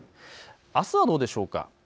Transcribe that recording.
あすはどうでしょうか。